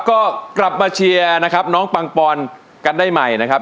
ก็กลับมาเชียร์นะครับน้องปังปอนกันได้ใหม่นะครับ